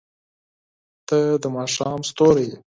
• ته د ماښام ستوری یې.